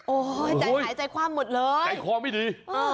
โอ้โหใจข้าวหมดเลยใจพอไม่ดี